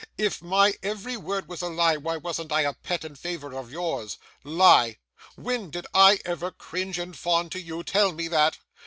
If my every word was a lie, why wasn't I a pet and favourite of yours? Lie! When did I ever cringe and fawn to you. Tell me that!